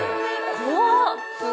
怖っ！